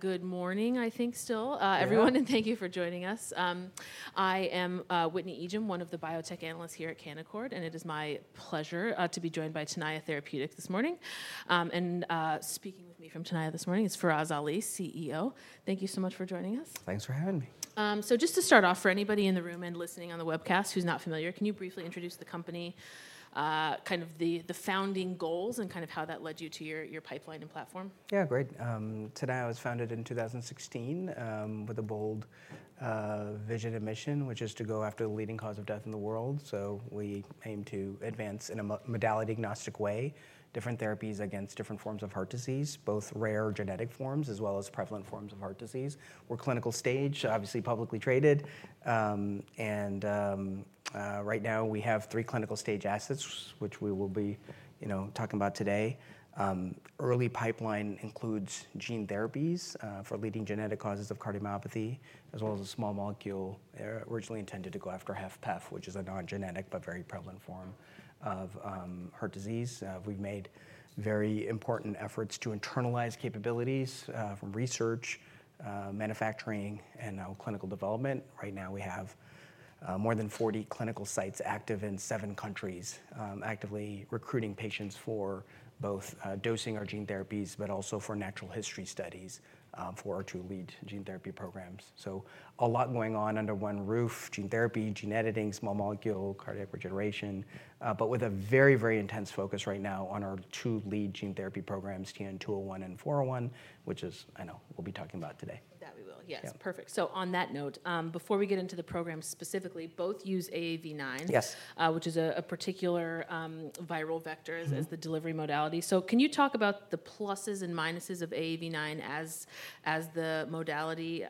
Good morning, I think still, everyone, and thank you for joining us. I am Whitney Ijem, one of the biotech analysts here at Canaccord, and it is my pleasure to be joined by Tenaya Therapeutics this morning. Speaking with me from Tenaya this morning is Faraz Ali, CEO. Thank you so much for joining us. Thanks for having me. To start off, for anybody in the room and listening on the webcast who's not familiar, can you briefly introduce the company, the founding goals, and how that led you to your pipeline and platform? Yeah, great. Tenaya was founded in 2016 with a bold vision and mission, which is to go after the leading cause of death in the world. We aim to advance in a modality-agnostic way, different therapies against different forms of heart disease, both rare genetic forms as well as prevalent forms of heart disease. We're clinical stage, obviously publicly traded. Right now, we have three clinical stage assets, which we will be talking about today. Early pipeline includes gene therapies for leading genetic causes of cardiomyopathy, as well as a small molecule originally intended to go after HFpEF, which is a non-genetic but very prevalent form of heart disease. We've made very important efforts to internalize capabilities from research, manufacturing, and now clinical development. Right now, we have more than 40 clinical sites active in seven countries, actively recruiting patients for both dosing our gene therapies, but also for natural history studies for our two lead gene therapy programs. A lot going on under one roof: gene therapy, gene editing, small molecule, cardiac regeneration, but with a very, very intense focus right now on our two lead gene therapy programs, TN-201 and 401, which is, I know, we'll be talking about today. That we will, yes. Perfect. On that note, before we get into the program specifically, both use AAV9, which is a particular viral vector as the delivery modality. Can you talk about the pluses and minuses of AAV9 as the modality,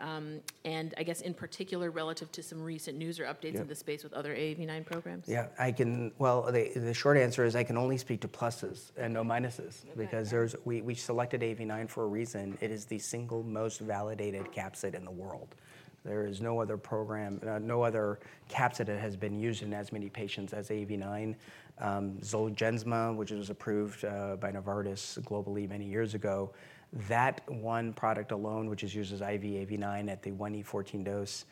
and I guess in particular relative to some recent news or updates in the space with other AAV9 programs? Yeah, I can, the short answer is I can only speak to pluses and no minuses because we selected AAV9 for a reason. It is the single most validated capsid in the world. There is no other program, no other capsid that has been used in as many patients as AAV9. Zolgensma, which was approved by Novartis globally many years ago, that one product alone, which is used as IV AAV9 at the 1E14 dose,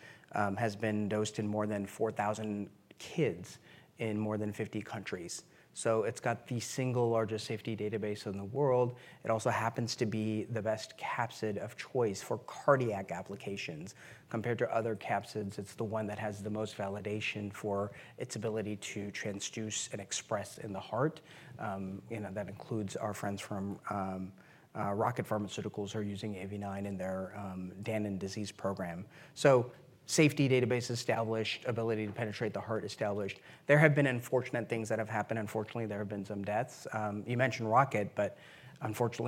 has been dosed in more than 4,000 kids in more than 50 countries. It's got the single largest safety database in the world. It also happens to be the best capsid of choice for cardiac applications. Compared to other capsids, it's the one that has the most validation for its ability to transduce and express in the heart. That includes our friends from Rocket Pharmaceuticals who are using AAV9 in their Danon disease program. Safety database established, ability to penetrate the heart established. There have been unfortunate things that have happened. Unfortunately, there have been some deaths. You mentioned Rocket, but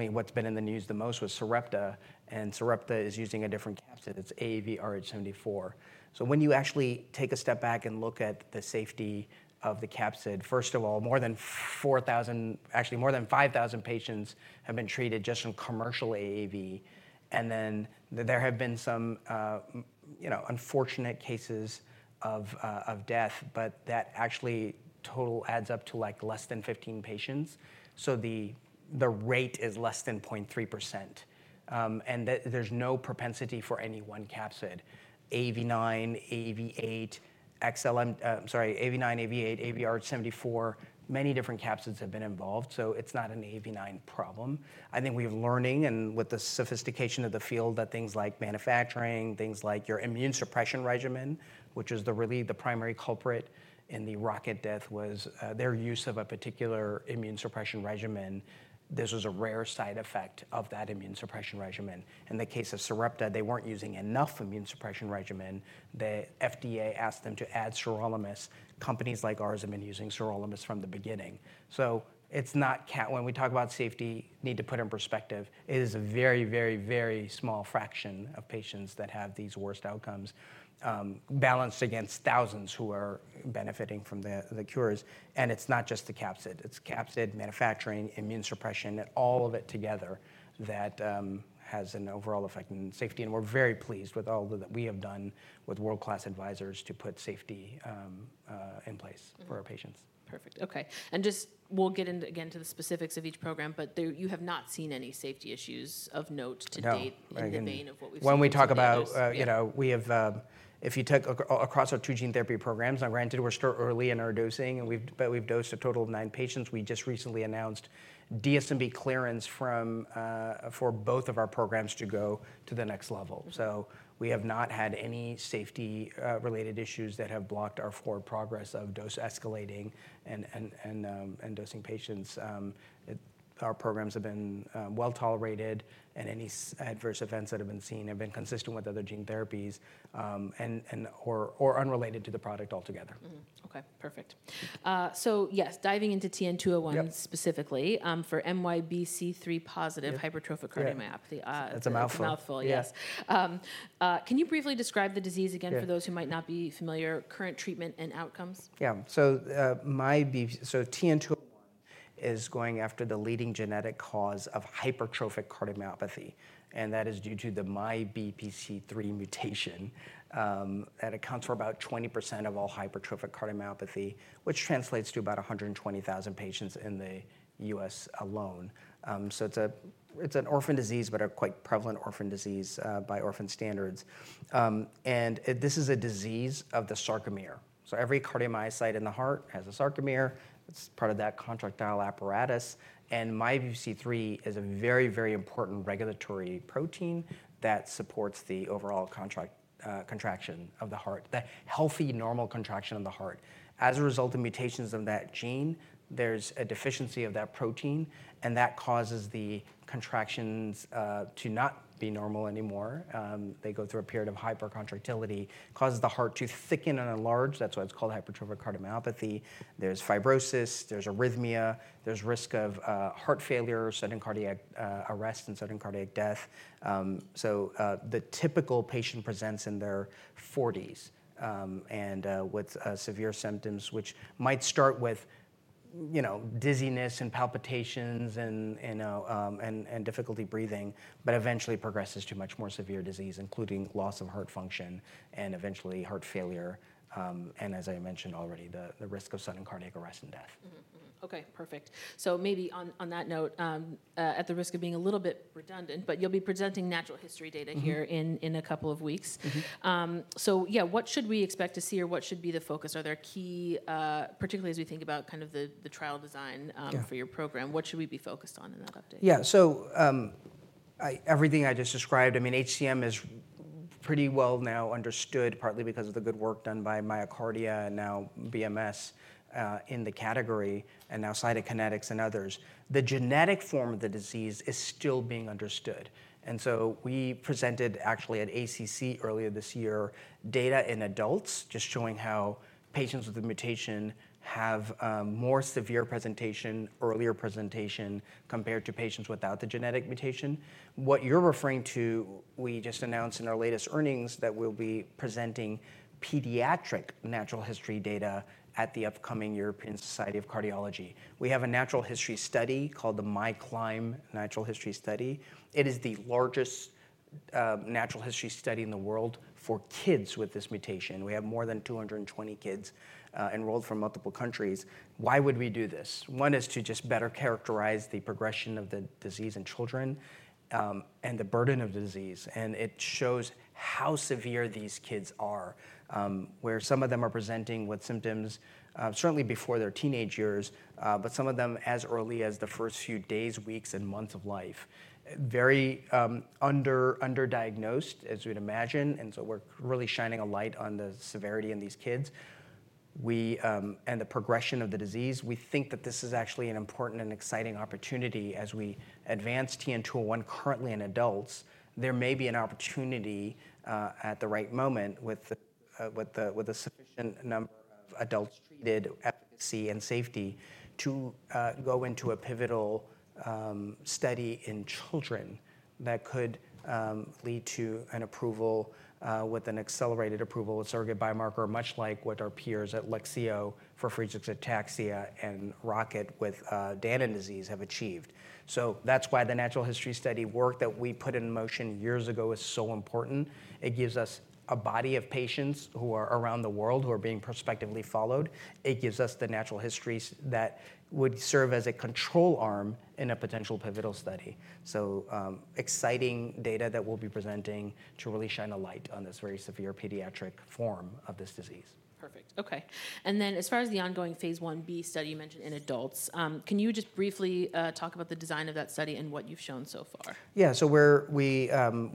what's been in the news the most was Sarepta, and Sarepta is using a different capsid. It's AAVrh74. When you actually take a step back and look at the safety of the capsid, first of all, more than 4,000, actually more than 5,000 patients have been treated just on commercial AAV. There have been some unfortunate cases of death, but that actually total adds up to less than 15 patients. The rate is less than 0.3%. There's no propensity for any one capsid. AAV9, AAV8, AAVrh74, many different capsids have been involved. It's not an AAV9 problem. I think we have learning and with the sophistication of the field that things like manufacturing, things like your immune suppression regimen, which is really the primary culprit in the Rocket death was their use of a particular immune suppression regimen. This was a rare side effect of that immune suppression regimen. In the case of Sarepta, they weren't using enough immune suppression regimen. The FDA asked them to add sirolimus. Companies like ours have been using sirolimus from the beginning. When we talk about safety, need to put in perspective, it is a very, very, very small fraction of patients that have these worst outcomes balanced against thousands who are benefiting from the cures. It's not just the capsid. It's capsid, manufacturing, immune suppression, and all of it together that has an overall effect on safety. We're very pleased with all that we have done with world-class advisors to put safety in place for our patients. Perfect. Okay. We will get into the specifics of each program, but you have not seen any safety issues of note to date in the vein of what we've seen? When we talk about, you know, we have, if you take across our two gene therapy programs, now granted we're still early in our dosing, but we've dosed a total of nine patients. We just recently announced DSMB clearance for both of our programs to go to the next level. We have not had any safety-related issues that have blocked our forward progress of dose escalating and dosing patients. Our programs have been well tolerated, and any adverse events that have been seen have been consistent with other gene therapies and/or unrelated to the product altogether. Okay, perfect. Yes, diving into TN-201 specifically for MYBPC3-positive hypertrophic cardiomyopathy. That's a mouthful. Mouthful, yes. Can you briefly describe the disease again for those who might not be familiar, current treatment, and outcomes? Yeah, so TN-201 is going after the leading genetic cause of hypertrophic cardiomyopathy, and that is due to the MYBPC3 mutation. It accounts for about 20% of all hypertrophic cardiomyopathy, which translates to about 120,000 patients in the U.S. alone. It's an orphan disease, but a quite prevalent orphan disease by orphan standards. This is a disease of the sarcomere. Every cardiomyocyte in the heart has a sarcomere; it's part of that contractile apparatus. MYBPC3 is a very, very important regulatory protein that supports the overall contraction of the heart, the healthy normal contraction of the heart. As a result of mutations of that gene, there's a deficiency of that protein, and that causes the contractions to not be normal anymore. They go through a period of hypercontractility, which causes the heart to thicken and enlarge. That's why it's called hypertrophic cardiomyopathy. There's fibrosis, there's arrhythmia, there's risk of heart failure, sudden cardiac arrest, and sudden cardiac death. The typical patient presents in their 40s with severe symptoms, which might start with dizziness and palpitations and difficulty breathing, but eventually progresses to much more severe disease, including loss of heart function and eventually heart failure, and as I mentioned already, the risk of sudden cardiac arrest and death. Okay, perfect. Maybe on that note, at the risk of being a little bit redundant, you'll be presenting natural history data here in a couple of weeks. What should we expect to see or what should be the focus? Are there key, particularly as we think about kind of the trial design for your program, what should we be focused on in that update? Yeah, so everything I just described, I mean, HCM is pretty well now understood, partly because of the good work done by Myocardia and now BMS in the category, and now Cytokinetics and others. The genetic form of the disease is still being understood. We presented actually at ACC earlier this year data in adults just showing how patients with the mutation have more severe presentation, earlier presentation compared to patients without the genetic mutation. What you're referring to, we just announced in our latest earnings that we'll be presenting pediatric natural history data at the upcoming European Society of Cardiology. We have a natural history study called the MyClimb Natural History Study. It is the largest natural history study in the world for kids with this mutation. We have more than 220 kids enrolled from multiple countries. Why would we do this? One is to just better characterize the progression of the disease in children and the burden of the disease. It shows how severe these kids are, where some of them are presenting with symptoms certainly before their teenage years, but some of them as early as the first few days, weeks, and months of life. Very underdiagnosed, as you'd imagine. We're really shining a light on the severity in these kids and the progression of the disease. We think that this is actually an important and exciting opportunity as we advance TN-201 currently in adults. There may be an opportunity at the right moment with a sufficient number of adults treated, efficacy, and safety to go into a pivotal study in children that could lead to an approval with an accelerated approval of surrogate biomarker, much like what our peers at Lexeo for Friedreich's Ataxia and Rocket with Danon disease have achieved. That is why the natural history study work that we put in motion years ago is so important. It gives us a body of patients who are around the world who are being prospectively followed. It gives us the natural histories that would serve as a control arm in a potential pivotal study. Exciting data that we'll be presenting to really shine a light on this very severe pediatric form of this disease. Perfect. Okay. As far as the ongoing Phase Ib study you mentioned in adults, can you just briefly talk about the design of that study and what you've shown so far? Yeah, we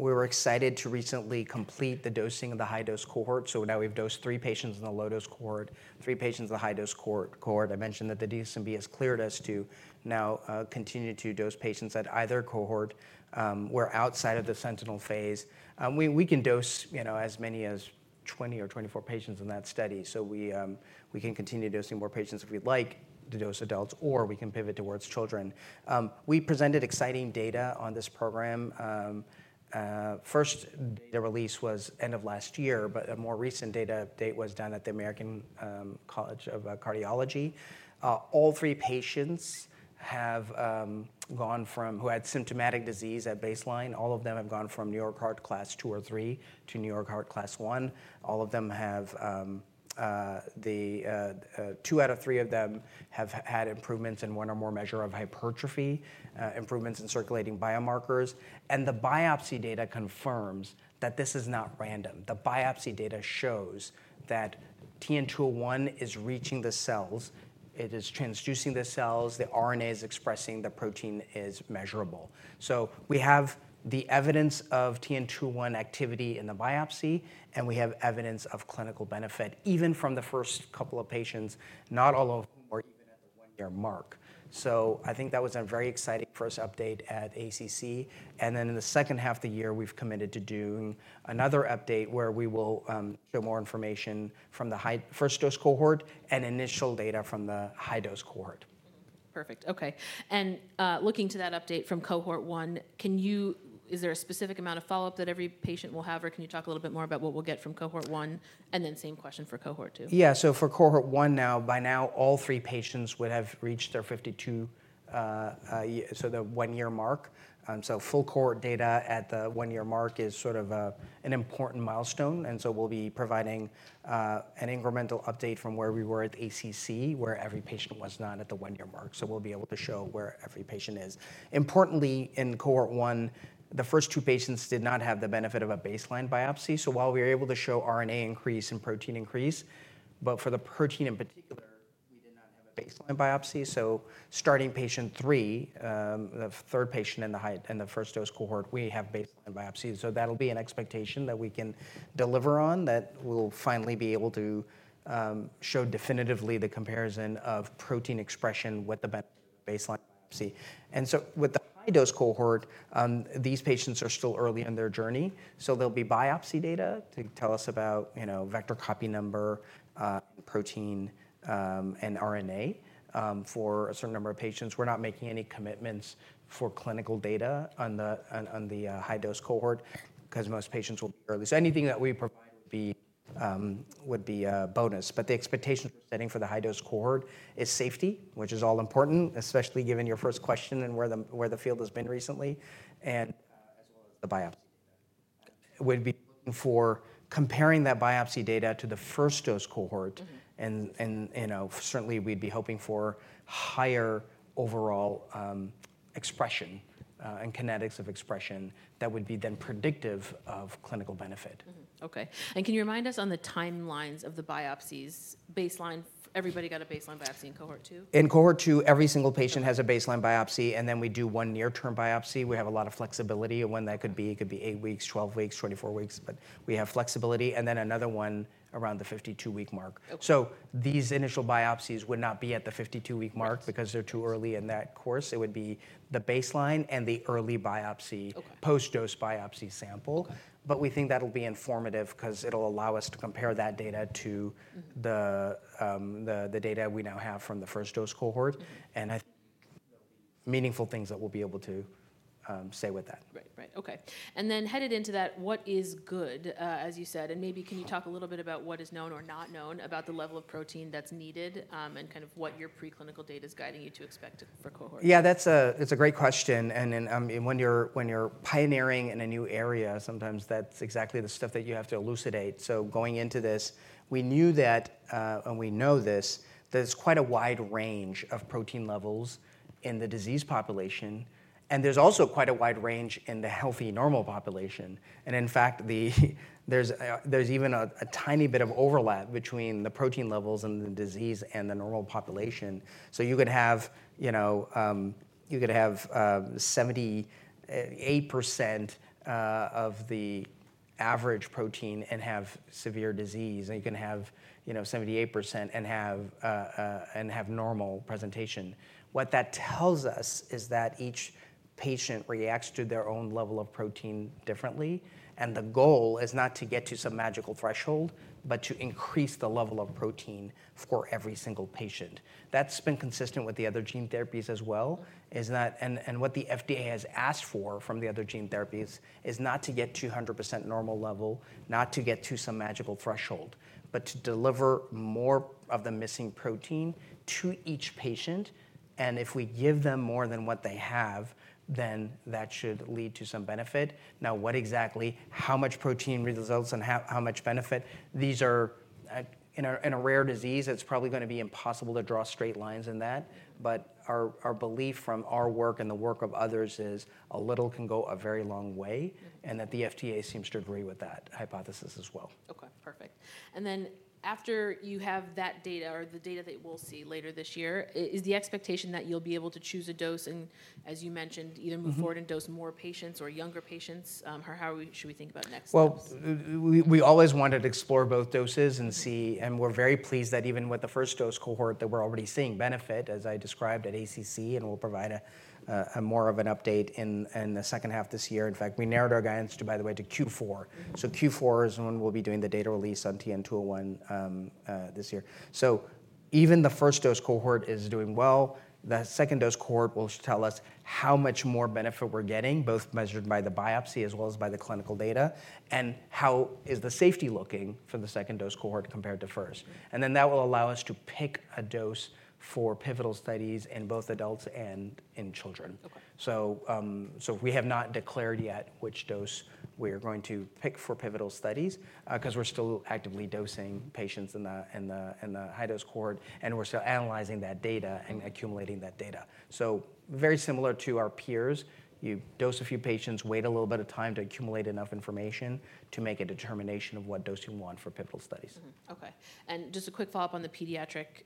were excited to recently complete the dosing of the high-dose cohort. Now we've dosed three patients in the low-dose cohort and three patients in the high-dose cohort. I mentioned that the DSMB has cleared us to continue to dose patients at either cohort. We're outside of the sentinel phase. We can dose as many as 20 or 24 patients in that study. We can continue dosing more patients if we'd like to dose adults, or we can pivot towards children. We presented exciting data on this program. First, the release was end of last year, but a more recent date was at the American College of Cardiology. All three patients who had symptomatic disease at baseline have gone from New York Heart Class II or III to New York Heart Class I. Two out of three of them have had improvements in one or more measures of hypertrophy, improvements in circulating biomarkers. The biopsy data confirms that this is not random. The biopsy data shows that TN-201 is reaching the cells, it is transducing the cells, the RNA is expressing, and the protein is measurable. We have the evidence of TN-201 activity in the biopsy, and we have evidence of clinical benefit even from the first couple of patients, not all of them were at their mark. I think that was a very exciting first update at ACC. In the second half of the year, we've committed to doing another update where we will show more information from the first-dose cohort and initial data from the high-dose cohort. Perfect. Okay. Looking to that update from cohort one, is there a specific amount of follow-up that every patient will have, or can you talk a little bit more about what we'll get from cohort one, and then same question for cohort two? Yeah, so for cohort one now, by now all three patients would have reached their 52, so the one-year mark. Full cohort data at the one-year mark is sort of an important milestone. We'll be providing an incremental update from where we were at ACC, where every patient was not at the one-year mark. We'll be able to show where every patient is. Importantly, in cohort one, the first two patients did not have the benefit of a baseline biopsy. While we were able to show RNA increase and protein increase, for the protein in particular, we did not have a baseline biopsy. Starting patient three, the third patient in the first-dose cohort, we have baseline biopsies. That'll be an expectation that we can deliver on that we'll finally be able to show definitively the comparison of protein expression with the baseline biopsy. With the high-dose cohort, these patients are still early in their journey. There'll be biopsy data to tell us about, you know, vector copy number, protein, and RNA for a certain number of patients. We're not making any commitments for clinical data on the high-dose cohort because most patients will, or at least anything that we would be a bonus. The expectation setting for the high-dose cohort is safety, which is all important, especially given your first question and where the field has been recently. The biopsy would be for comparing that biopsy data to the first-dose cohort. Certainly we'd be hoping for higher overall expression and kinetics of expression that would be then predictive of clinical benefit. Okay. Can you remind us on the timelines of the biopsies? Baseline, everybody got a baseline biopsy in cohort two? In cohort two, every single patient has a baseline biopsy, and then we do one near-term biopsy. We have a lot of flexibility of when that could be. It could be eight weeks, 12 weeks, 24 weeks, but we have flexibility. Then another one is around the 52-week mark. These initial biopsies would not be at the 52-week mark because they're too early in that course. It would be the baseline and the early biopsy, post-dose biopsy sample. We think that'll be informative because it'll allow us to compare that data to the data we now have from the first-dose cohort and have meaningful things that we'll be able to say with that. Right. Okay. Headed into that, what is good, as you said, can you talk a little bit about what is known or not known about the level of protein that's needed and what your preclinical data is guiding you to expect for cohort? Yeah, that's a great question. When you're pioneering in a new area, sometimes that's exactly the stuff that you have to elucidate. Going into this, we knew that, and we know this, there's quite a wide range of protein levels in the disease population. There's also quite a wide range in the healthy normal population. In fact, there's even a tiny bit of overlap between the protein levels in the disease and the normal population. You could have, you know, you could have 78% of the average protein and have severe disease. You can have 78% and have normal presentation. What that tells us is that each patient reacts to their own level of protein differently. The goal is not to get to some magical threshold, but to increase the level of protein for every single patient. That's been consistent with the other gene therapies as well. What the FDA has asked for from the other gene therapies is not to get to a 100% normal level, not to get to some magical threshold, but to deliver more of the missing protein to each patient. If we give them more than what they have, then that should lead to some benefit. Now, what exactly, how much protein results and how much benefit? These are, in a rare disease, it's probably going to be impossible to draw straight lines in that. Our belief from our work and the work of others is a little can go a very long way and that the FDA seems to agree with that hypothesis as well. Okay, perfect. After you have that data or the data that we'll see later this year, is the expectation that you'll be able to choose a dose and, as you mentioned, either move forward and dose more patients or younger patients? How should we think about next? We always wanted to explore both doses and see, and we're very pleased that even with the first-dose cohort that we're already seeing benefit, as I described at ACC, and we'll provide more of an update in the second half this year. In fact, we narrowed our guidance to, by the way, to Q4. Q4 is when we'll be doing the data release on TN-201 this year. Even the first-dose cohort is doing well. The second-dose cohort will tell us how much more benefit we're getting, both measured by the biopsy as well as by the clinical data, and how is the safety looking for the second-dose cohort compared to first. That will allow us to pick a dose for pivotal studies in both adults and in children. We have not declared yet which dose we are going to pick for pivotal studies because we're still actively dosing patients in the high-dose cohort, and we're still analyzing that data and accumulating that data. Very similar to our peers, you dose a few patients, wait a little bit of time to accumulate enough information to make a determination of what dose you want for pivotal studies. Okay. Just a quick follow-up on the pediatric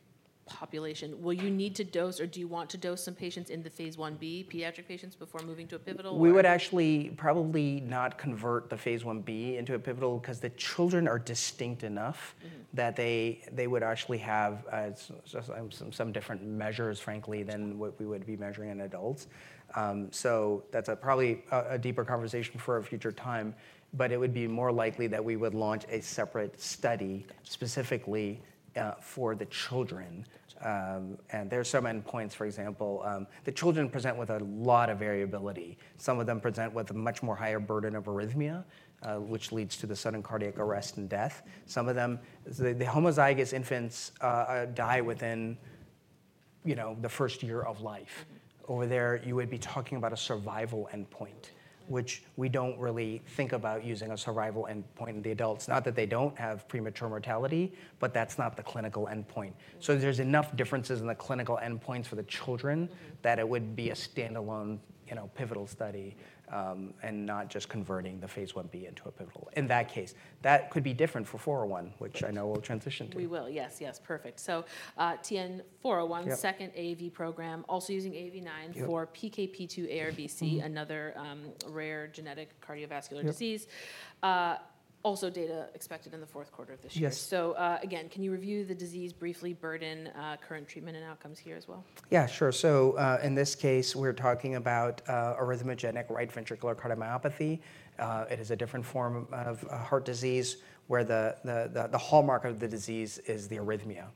population. Will you need to dose, or do you want to dose some patients in the phase Ib, pediatric patients, before moving to a pivotal? We would actually probably not convert the phase Ib into a pivotal because the children are distinct enough that they would actually have some different measures, frankly, than what we would be measuring in adults. That is probably a deeper conversation for a future time, but it would be more likely that we would launch a separate study specifically for the children. There are so many points, for example, the children present with a lot of variability. Some of them present with a much higher burden of arrhythmia, which leads to the sudden cardiac arrest and death. Some of them, the homozygous infants, die within, you know, the first year of life. Over there, you would be talking about a survival endpoint, which we don't really think about using a survival endpoint in the adults. Not that they don't have premature mortality, but that's not the clinical endpoint. There are enough differences in the clinical endpoints for the children that it would be a standalone pivotal study and not just converting the phase 1b into a pivotal. In that case, that could be different for 401, which I know we'll transition to. Yes, yes, perfect. TN-401, second AAV program, also using AAV9 for PKP2 ARVC, another rare genetic cardiovascular disease. Data expected in the fourth quarter of this year. Can you review the disease briefly, burden, current treatment, and outcomes here as well? Yeah, sure. In this case, we're talking about arrhythmogenic right ventricular cardiomyopathy. It is a different form of heart disease where the hallmark of the disease is the arrhythmia.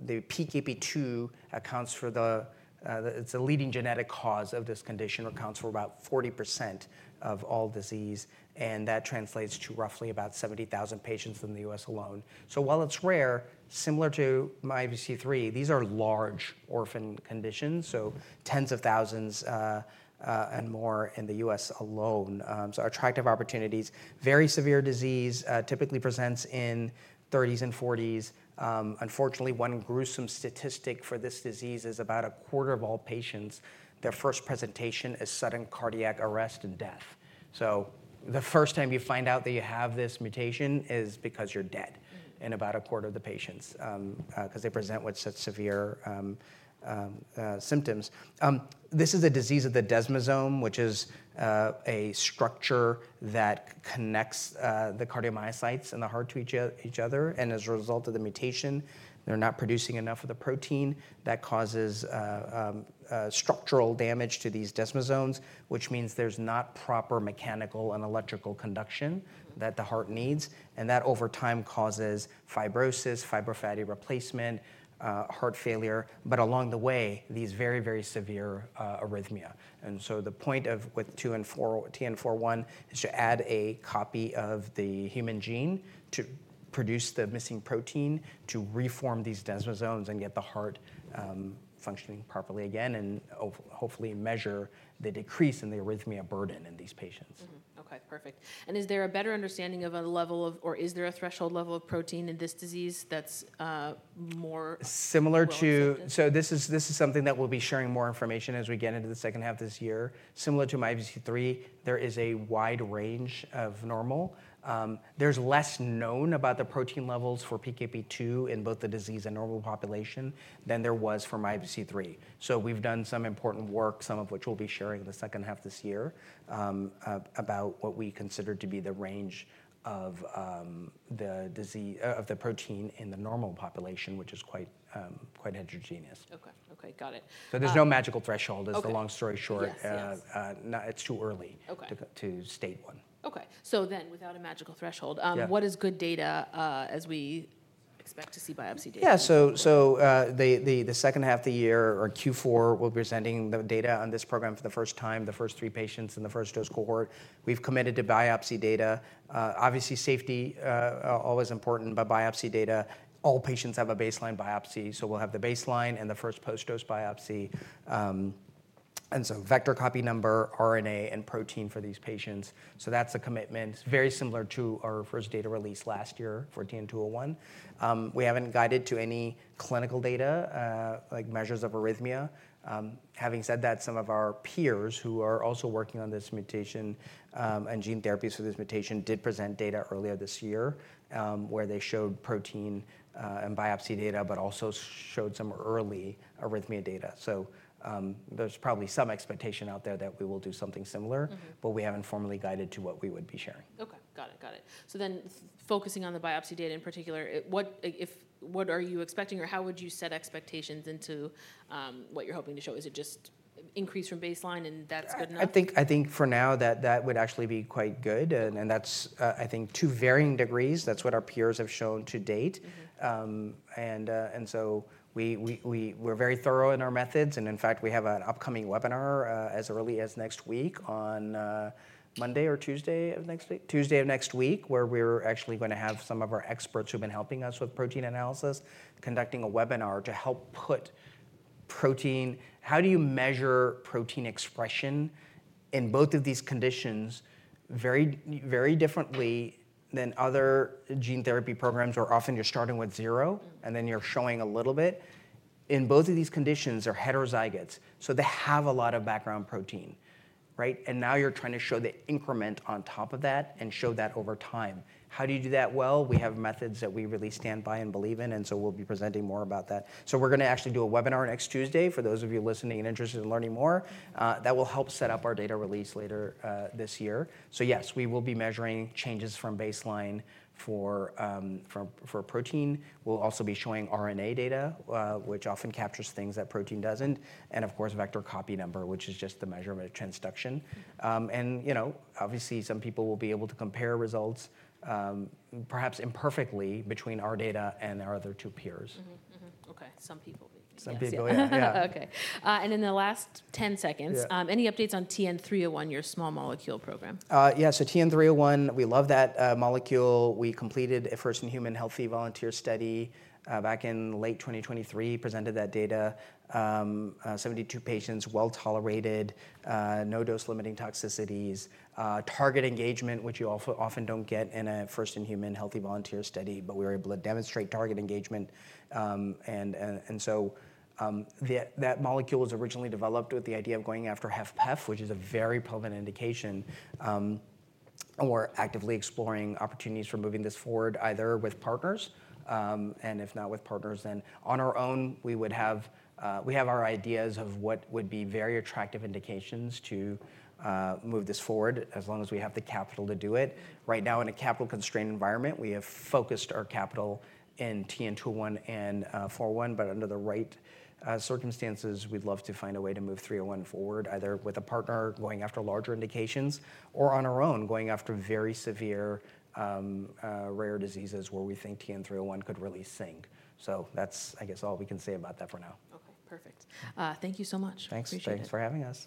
The PKP2 accounts for the, it's the leading genetic cause of this condition or accounts for about 40% of all disease, and that translates to roughly about 70,000 patients in the U.S. alone. While it's rare, similar to MYBPC3, these are large orphan conditions, so tens of thousands and more in the U.S. alone. Attractive opportunities, very severe disease, typically presents in 30s and 40s. Unfortunately, one gruesome statistic for this disease is about a quarter of all patients, their first presentation is sudden cardiac arrest and death. The first time you find out that you have this mutation is because you're dead in about a quarter of the patients because they present with such severe symptoms. This is a disease of the desmosome, which is a structure that connects the cardiomyocytes and the heart to each other. As a result of the mutation, they're not producing enough of the protein that causes structural damage to these desmosomes, which means there's not proper mechanical and electrical conduction that the heart needs. Over time, that causes fibrosis, fibrofatty replacement, heart failure, but along the way, these very, very severe arrhythmia. The point with TN-401 is to add a copy of the human gene to produce the missing protein to reform these desmosomes and get the heart functioning properly again and hopefully measure the decrease in the arrhythmia burden in these patients. Okay, perfect. Is there a better understanding of a level of, or is there a threshold level of protein in this disease that's more? This is something that we'll be sharing more information as we get into the second half this year. Similar to MYBPC3, there is a wide range of normal. There's less known about the protein levels for PKP2 in both the disease and normal population than there was for MYBPC3. We've done some important work, some of which we'll be sharing in the second half this year about what we consider to be the range of the protein in the normal population, which is quite heterogeneous. Okay, got it. There is no magical threshold. Long story short, it's too early to state one. Okay, so without a magical threshold, what is good data as we expect to see biopsy data? Yeah, so the second half of the year or Q4, we'll be presenting the data on this program for the first time, the first three patients in the first-dose cohort. We've committed to biopsy data. Obviously, safety is always important, but biopsy data, all patients have a baseline biopsy. We'll have the baseline and the first post-dose biopsy, and vector copy number, RNA, and protein for these patients. That's a commitment. It's very similar to our first data release last year for TN-201. We haven't guided to any clinical data, like measures of arrhythmia. Having said that, some of our peers who are also working on this mutation and gene therapies for this mutation did present data earlier this year where they showed protein and biopsy data, but also showed some early arrhythmia data. There's probably some expectation out there that we will do something similar, but we haven't formally guided to what we would be sharing. Okay, got it, got it. Focusing on the biopsy data in particular, what are you expecting or how would you set expectations into what you're hoping to show? Is it just increase from baseline and that's good enough? I think for now that that would actually be quite good. That's, I think, to varying degrees, what our peers have shown to date. We're very thorough in our methods. In fact, we have an upcoming webinar as early as next week, on Monday or Tuesday of next week, Tuesday of next week, where we're actually going to have some of our experts who've been helping us with protein analysis conducting a webinar to help put protein—how do you measure protein expression in both of these conditions—very, very differently than other gene therapy programs where often you're starting with zero and then you're showing a little bit. In both of these conditions, they're heterozygous, so they have a lot of background protein, right? Now you're trying to show the increment on top of that and show that over time. How do you do that? We have methods that we really stand by and believe in, and we'll be presenting more about that. We're going to actually do a webinar next Tuesday for those of you listening and interested in learning more. That will help set up our data release later this year. Yes, we will be measuring changes from baseline for protein. We'll also be showing RNA data, which often captures things that protein doesn't, and of course, vector copy number, which is just the measurement of transduction. Obviously, some people will be able to compare results, perhaps imperfectly, between our data and our other two peers. Okay, some people. Some people, yeah. Okay. In the last 10 seconds, any updates on TN-301, your small molecule program? Yeah, so TN-301, we love that molecule. We completed a first-in-human healthy volunteer study back in late 2023, presented that data. 72 patients, well-tolerated, no dose-limiting toxicities, target engagement, which you often don't get in a first-in-human healthy volunteer study, but we were able to demonstrate target engagement. That molecule was originally developed with the idea of going after HFpEF, which is a very prevalent indication. We're actively exploring opportunities for moving this forward either with partners, and if not with partners, then on our own. We have our ideas of what would be very attractive indications to move this forward as long as we have the capital to do it. Right now, in a capital-constrained environment, we have focused our capital in TN-201 and TN-401, but under the right circumstances, we'd love to find a way to move 301 forward, either with a partner going after larger indications or on our own going after very severe, rare diseases where we think 301 could really sink. That's, I guess, all we can say about that for now. Okay, perfect. Thank you so much. Thanks, thanks for having us.